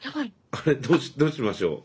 あれどうしましょう？